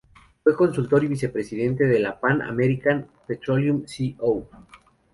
Fue consultor y vicepresidente de la Pan-American Petroleum Co.